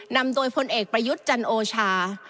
นำโดยพลเอกประยุทธ์จันโอชา